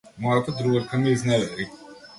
Мојата другарка ме изневери.